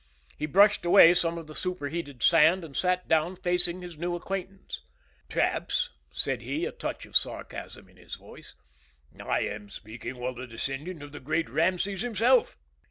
He brushed away some of the superheated sand and sat down facing his new acquaintance. "Perhaps," said he a touch of sarcasm in his voice "I am speaking with a descendant of the Great Rameses himself."